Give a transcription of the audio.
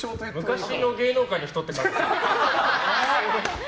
昔の芸能界の人って感じ。